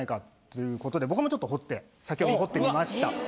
いうことで僕もちょっと彫って先ほど彫ってみました。